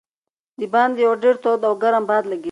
د باندې یو ډېر تود او ګرم باد لګېده.